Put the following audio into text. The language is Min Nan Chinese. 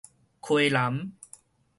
溪南